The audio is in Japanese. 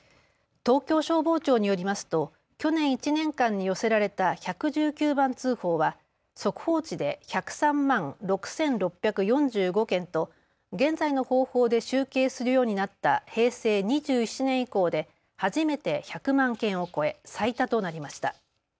東京消防庁によりますと去年１年間に寄せられた１１９番通報は速報値で１０３万６６４５件と現在の方法で集計するようになった平成２７年以降で初めて１００万件を超え最多となりました。